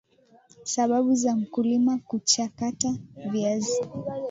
sababu za mkulima kuchakata viazi